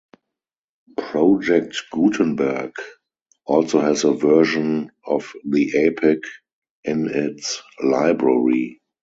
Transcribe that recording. Project Gutenberg also has a version of the epic in its library.